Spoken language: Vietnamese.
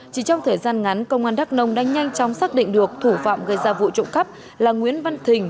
chỉ trong thời gian ngắn công an đắk nông đã nhanh chóng xác định được thủ phạm gây ra vụ trộm cắp là nguyễn văn thình